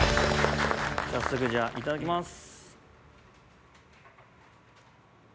早速じゃあいただきます。